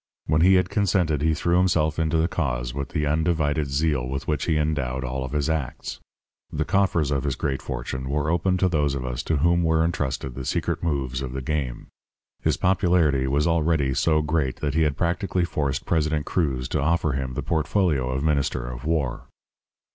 When he had consented he threw himself into the cause with the undivided zeal with which he endowed all of his acts. The coffers of his great fortune were opened to those of us to whom were entrusted the secret moves of the game. His popularity was already so great that he had practically forced President Cruz to offer him the portfolio of Minister of War.